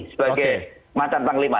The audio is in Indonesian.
sebagai mantan panglima